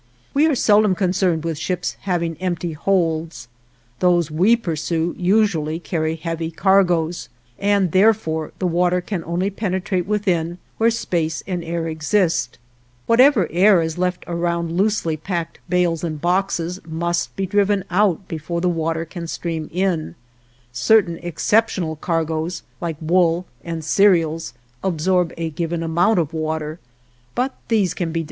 We are seldom concerned with ships having empty holds; those we pursue usually carry heavy cargoes, and therefore the water can only penetrate within, where space and air exist; whatever air is left around loosely packed bales and boxes must be driven out before the water can stream in; certain exceptional cargoes, like wool and cereals, absorb a given amount of water, but these can be discounted.